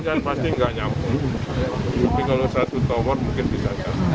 tapi kalau satu tower mungkin bisa